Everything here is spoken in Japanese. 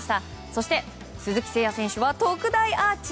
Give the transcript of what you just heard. そして、鈴木誠也選手は特大アーチ。